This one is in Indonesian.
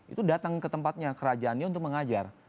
itu datang ke tempatnya kerajaannya untuk mengajar